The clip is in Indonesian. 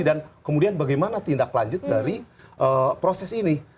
dan kemudian bagaimana tindak lanjut dari proses ini